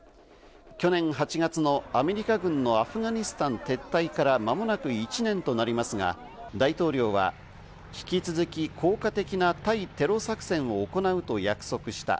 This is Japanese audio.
去年８月のアメリカ軍のアフガニスタン撤退から間もなく１年となりますが、大統領は引き続き、効果的な対テロ作戦を行うと約束した。